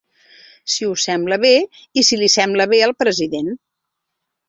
Si us sembla bé i si li sembla bé al president.